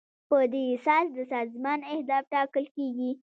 په دې اساس د سازمان اهداف ټاکل کیږي.